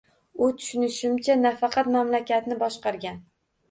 U tushunishimcha, nafaqat mamlakatni boshqargan.